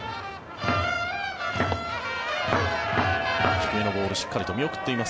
低めのボールしっかりと見送っています。